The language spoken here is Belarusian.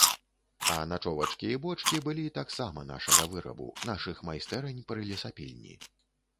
А начовачкі і бочкі былі таксама нашага вырабу, нашых майстэрань пры лесапільні.